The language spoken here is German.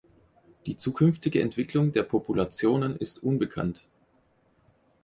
Die zukünftige Entwicklung der Populationen ist unbekannt.